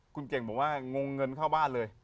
คุณเก่งบอกว่างงเงินเข้าบ้านเลย